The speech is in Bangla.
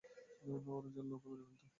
ওরা জানলে ওকে মেরে ফেলত।